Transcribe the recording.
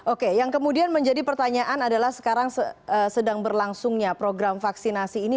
oke yang kemudian menjadi pertanyaan adalah sekarang sedang berlangsungnya program vaksinasi ini